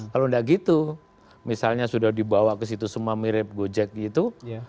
kalau tidak gitu misalnya sudah dibawa ke situ semua mirip gojek gitu